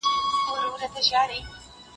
که سپیکر وي نو غږ نه ټیټیږي.